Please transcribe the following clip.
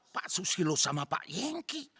pak susilo sama pak yengki